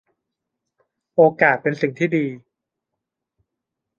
โอกาสเป็นสิ่งที่ดี